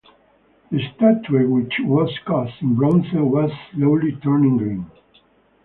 The statue which was cast in bronze was slowly turning green.